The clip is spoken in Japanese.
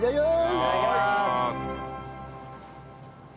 いただきます！